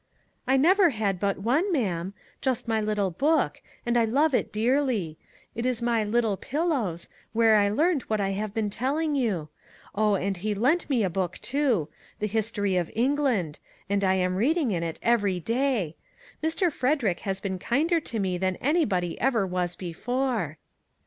"" I never had but one, ma'am ; just my little book ; and I love it dearly. It is my ' Little Pillows,' where I learned what I have been telling you. Oh, and he lent me a book, too ; the History of England; and I am reading in 114 A SEA OF TROUBLE it every day. Mr. Frederick has been kinder to me than anybody ever was before."